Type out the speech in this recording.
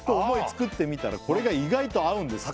「作ってみたらこれが意外と合うんです」